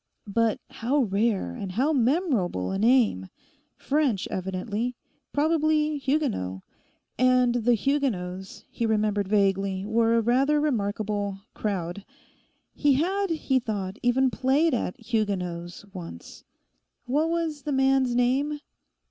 But how rare and how memorable a name! French evidently; probably Huguenot. And the Huguenots, he remembered vaguely, were a rather remarkable 'crowd.' He had, he thought, even played at 'Huguenots' once. What was the man's name?